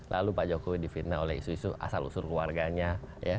lalu pak jokowi di fitnah oleh isu isu asal usul keluarganya ya